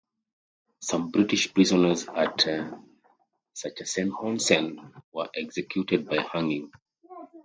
Some British prisoners at Sachsenhausen were executed by hanging.